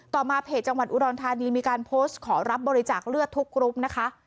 ต่อมาเพจจังหวัดอุดรธานีมีการโพสต์ขอรับบริจาคเลือดทุกกรุ๊ปนะคะ